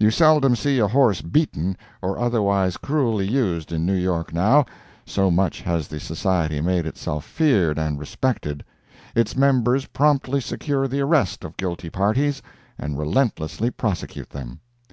You seldom see a horse beaten or otherwise cruelly used in New York now, so much has the society made itself feared and respected. Its members promptly secure the arrest of guilty parties and relentlessly prosecute them.